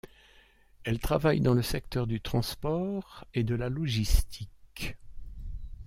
Elle travaille dans le secteur du transport et de la logistique.